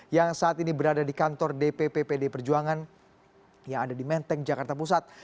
yang saat ini berada di kantor dpp pd perjuangan yang ada di menteng jakarta pusat